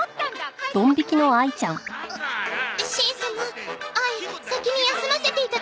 しん様あい先に休ませていただきますわ。